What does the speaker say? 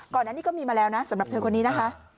ก่อนอันนี้ก็มีมาแล้วนะสำหรับเธอคนนี้นะคะ